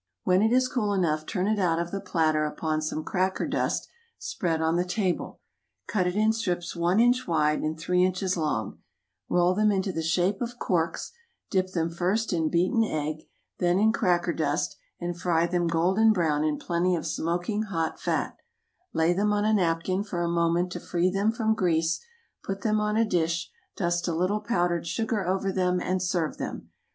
When it is cool enough turn it out of the platter upon some cracker dust spread on the table, cut it in strips one inch wide and three inches long, roll them into the shape of corks, dip them first in beaten egg, then in cracker dust, and fry them golden brown in plenty of smoking hot fat; lay them on a napkin for a moment to free them from grease, put them on a dish, dust a little powdered sugar over them, and serve them.